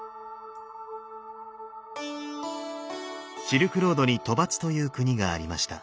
シルクロードに兜跋という国がありました。